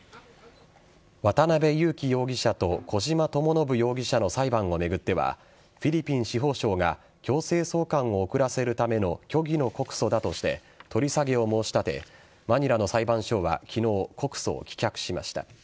渡辺優樹容疑者と小島智信容疑者の裁判を巡ってはフィリピン司法省が強制送還を遅らせるための虚偽の告訴だとして取り下げを申し立てマニラの裁判所は昨日告訴を棄却しました。